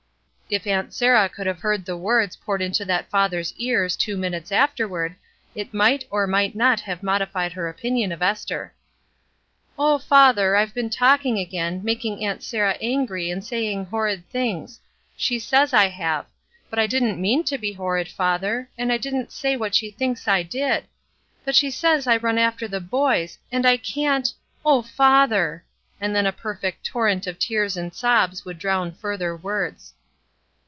If Aunt Sarah could have heard the words poured into that father's ears two minutes 46 ESTER RIED'S NAMESAKE afterward, it might or might not have modified her opinion of Esther, ''Oh, father, IVe been talking again, making Aunt Sarah angry and saying horrid things. She says I have; but I didn't mean to be hor rid, father, and I didn't say what she thinks I did. But she says I run after the boys, and I can't — oh, father!'' Then a perfect torrent of tears and sobs would drown further words.